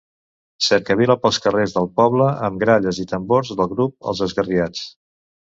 Cercavila pels carrers del poble amb gralles i tambors del grup els esgarriats.